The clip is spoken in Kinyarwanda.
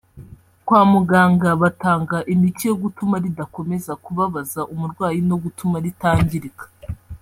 kwa muganga batanga imiti yo gutuma ridakomeza kubabaza umurwayi no gutuma ritangirika